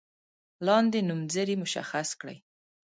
لاندې نومځري مشخص کړئ.